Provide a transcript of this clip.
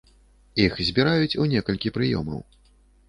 Іх збіраюць у некалькі прыёмаў.